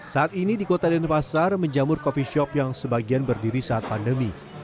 saat ini di kota denpasar menjamur coffee shop yang sebagian berdiri saat pandemi